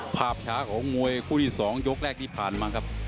ภาพช้าของมวยคู่ที่๒ยกแรกที่ผ่านมาครับ